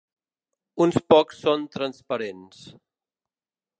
Uns pocs són transparents.